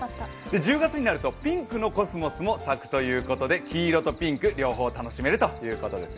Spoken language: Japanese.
１０月になるとピンクのコスモスも咲くということで黄色とピンク、両方楽しめますよ。